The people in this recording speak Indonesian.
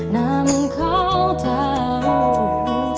namun kau tahu